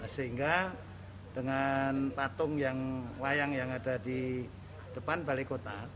sehingga dengan patung wayang yang ada di depan balai kota